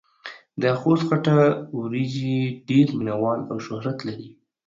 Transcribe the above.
دخوست خټه وريژې ډېر مينه وال او شهرت لري.